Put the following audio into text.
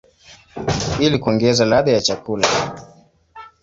ili kuongeza ladha ya chakula.